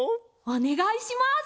おねがいします！